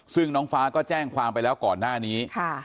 ซึ่งน้องฟ้าก็แจ้งความไปแล้วก่อนหน้านี้